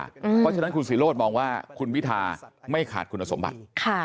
เพราะฉะนั้นคุณศิโรธมองว่าคุณวิทาไม่ขาดคุณสมบัติ